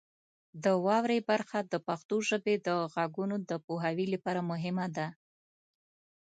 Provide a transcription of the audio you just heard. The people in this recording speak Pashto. د واورئ برخه د پښتو ژبې د غږونو د پوهاوي لپاره مهمه ده.